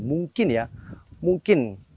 mungkin ya mungkin